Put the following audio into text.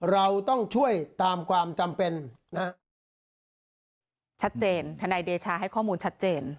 เราต้องช่วยตามความจำเป็นนะฮะชัดเจนทนายเดชาให้ข้อมูลชัดเจน